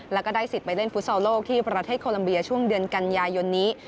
แล้วก็ได้สิทธิ์ไปเล่นฟุตซอลโลกที่ประเทศโคลัมเบียช่วงเดือนกันยายนนี้